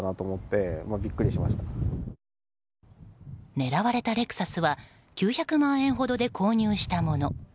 狙われたレクサスは９００万円ほどで購入したもの。